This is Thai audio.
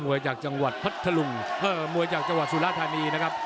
มวยจากจังหวัดพัทธานี